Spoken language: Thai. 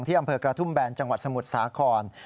อำเภอกระทุ่มแบนจังหวัดสมุทรสาคร